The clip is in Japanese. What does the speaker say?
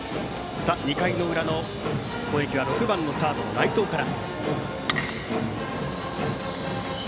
２回の裏の攻撃は６番のサード内藤から。